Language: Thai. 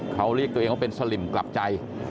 เขาเรียกตัวเองว่าเป็นสลิมกลับใจ